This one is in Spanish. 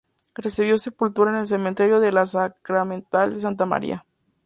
Recibió sepultura en el cementerio de la Sacramental de Santa María.